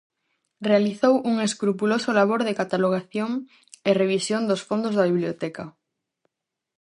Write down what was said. Realizou un escrupuloso labor de catalogación e revisión dos fondos da biblioteca.